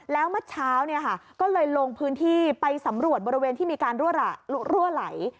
แล้วเมื่อเช้าก็เลยลงพื้นที่ไปสำรวจบริเวณที่มีการรั่วไหล